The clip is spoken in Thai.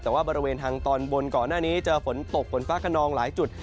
แต่ว่าบริเวณทางตอนบนก่อนหน้านี้เจอฝนตกฝนฟ้าขนองหลายจุด